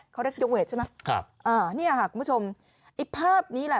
เขาเรียกยกเวทใช่ไหมครับอ่าเนี่ยค่ะคุณผู้ชมไอ้ภาพนี้แหละ